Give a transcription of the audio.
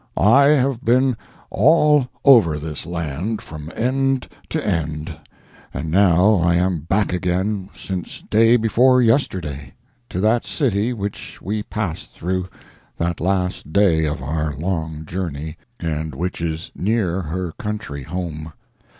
I have been all over this land, from end to end, and now I am back again since day before yesterday, to that city which we passed through, that last day of our long journey, and which is near her country home.